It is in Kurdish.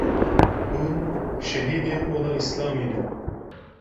hûn şehîdê ola Îslamê ne